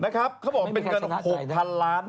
นะครับเขาบอกว่าเป็นเงิน๖๐๐๐ล้าน